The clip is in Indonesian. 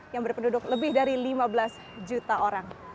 yang berpenduduk lebih dari lima belas juta orang